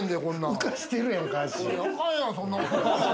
浮かしてるやん、足。